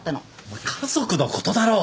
お前家族のことだろ。